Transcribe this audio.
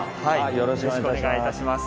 よろしく願いいたします。